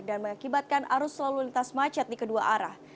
dan mengakibatkan arus lalu lintas macet di kedua arah